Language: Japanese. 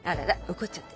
怒っちゃって。